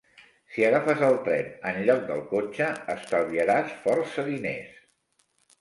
Si agafes el tren en lloc del cotxe, estalviaràs força diners.